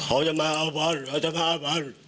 เขาจะมาเอาบอนเขาจะมาเอาบอน